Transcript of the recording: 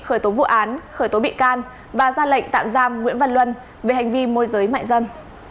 khởi tố vụ án khởi tố bị can và ra lệnh tạm giam nguyễn văn luân về hành vi môi giới mại dâm